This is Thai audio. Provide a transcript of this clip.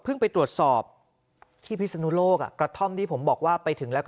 ไปตรวจสอบที่พิศนุโลกกระท่อมที่ผมบอกว่าไปถึงแล้วก็